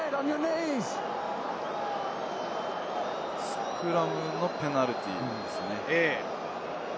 スクラムのペナルティーですね。